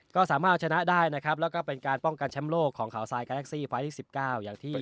ก็สามารถชนะได้นะครับแล้วก็เป็นการป้องกันช้ำโลกของข่าวไซด์กาแล็กซี่ไฟท์ที่สิบเก้าอย่างที่